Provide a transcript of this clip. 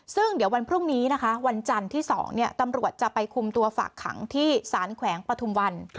ซึ่งเดี๋ยววันพรุ่งนี้นะคะวันจันทร์ที่๒ตำรวจจะไปคุมตัวฝากขังที่สารแขวงปฐุมวัน